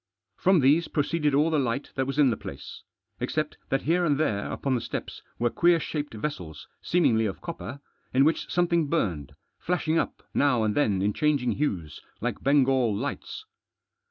From these proceeded all the light that was in the place, except that here and there upon the steps were queer shaped vessels, seem ingly of copper, in which something burned, flashing up now and then in changing hues, like Bengal lights.